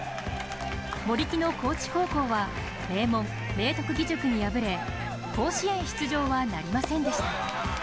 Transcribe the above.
森木の高知高校は名門・明徳義塾に敗れ甲子園出場はなりませんでした。